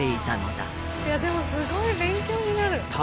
「いやでもすごい勉強になる」